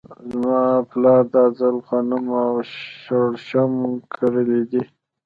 زما پلار دا ځل غنم او شړشم کرلي دي .